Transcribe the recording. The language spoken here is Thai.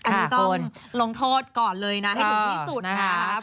อันนี้ต้องลงโทษก่อนเลยนะให้ถึงที่สุดนะครับ